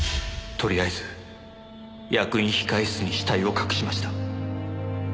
とりあえず役員控室に死体を隠しました。